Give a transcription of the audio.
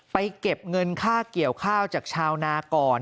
เก็บเงินค่าเกี่ยวข้าวจากชาวนาก่อน